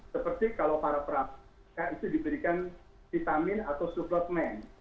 seperti kalau para prap itu diberikan vitamin atau suplot men